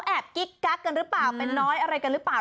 กิ๊กกักกันหรือเปล่าเป็นน้อยอะไรกันหรือเปล่า